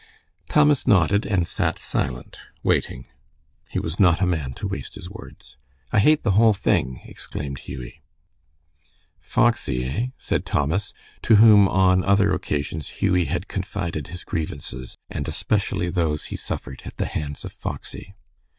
Thomas nodded, and sat silent, waiting. He was not a man to waste his words. "I hate the whole thing!" exclaimed Hughie. "Foxy, eh?" said Thomas, to whom on other occasions Hughie had confided his grievances, and especially those he suffered at the hands of Foxy.